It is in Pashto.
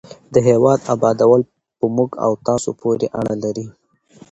د هېواد ابادول په موږ او تاسو پورې اړه لري.